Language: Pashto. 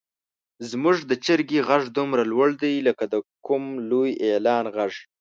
زموږ د چرګې غږ دومره لوړ دی لکه د کوم لوی اعلان غږ.